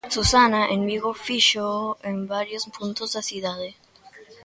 Susana, en Vigo fíxoo en varios puntos da cidade...